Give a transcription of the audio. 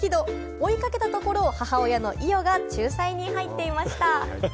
追いかけた所を母親のイオが仲裁に入っていました。